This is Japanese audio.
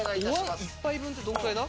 おわん１杯分ってどんくらいだ？